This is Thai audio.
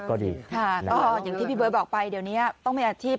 ก็ดีค่ะก็อย่างที่พี่เบิร์ตบอกไปเดี๋ยวนี้ต้องมีอาชีพ